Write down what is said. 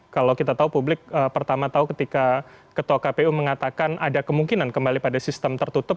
kalau kita tahu publik pertama tahu ketika ketua kpu mengatakan ada kemungkinan kembali pada sistem tertutup